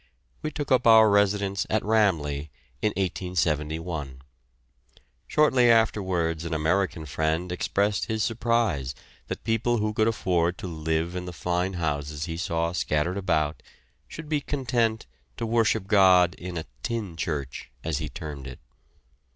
We took up our residence at "Ramleh" in 1871. Shortly afterwards an American friend expressed his surprise that people who could afford to live in the fine houses he saw scattered about should be content to worship God in a "tin" church, as he termed it.